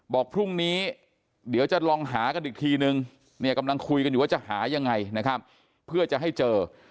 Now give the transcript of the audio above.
บอกพรุ่งนี้เดี๋ยวจะลองหากันอีกทีนึงเนี่ยกำลังคุยกันอยู่ว่าจะหายังไงนะครับเพื่อจะให้เจอ